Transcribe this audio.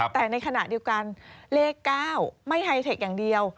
แต่ในขณะเดียวกันเลข๙ไม่ไฮเทคอย่างเดียว